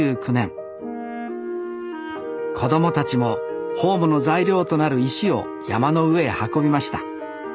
子供たちもホームの材料となる石を山の上へ運びました。